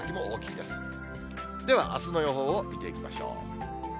では、あすの予報を見ていきましょう。